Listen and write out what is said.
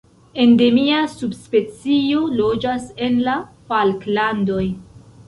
Endemia subspecio loĝas en la Falklandoj.